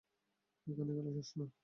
এখানেই খেলা শেষ, না?